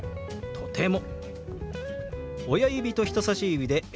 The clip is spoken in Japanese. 「とても」。